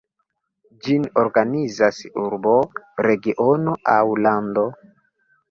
Ĝin organizas urbo, regiono aŭ lando.